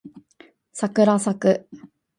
さくらさく